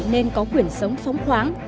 nên có quyền sống phóng khoáng